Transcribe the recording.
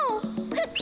ふっ！